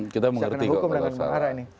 kita mengerti kok